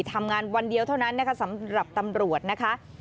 ทำงานวันเดียวเท่านั้นนะคะสำหรับตำรวจนะคะ